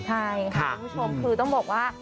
ใช่ค่ะคุณผู้ชมคือต้องบอกว่า